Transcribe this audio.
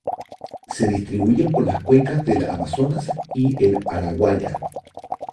Se distribuyen por las cuencas del Amazonas y el Araguaia.